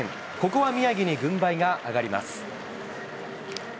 ここは宮城に軍配が上がります。